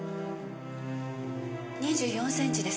２４センチです。